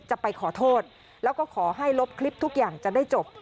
จะไปขอโทษแล้วก็ขอให้ลบคลิปทุกอย่างจะได้จบ